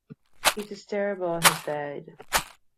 "It is terrible," he said.